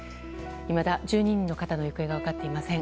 いまだ１２人の方の行方が分かっていません。